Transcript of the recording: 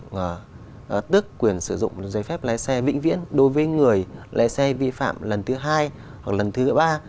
hoặc tức quyền sử dụng giấy phép lái xe vĩnh viễn đối với người lái xe vi phạm lần thứ hai hoặc lần thứ ba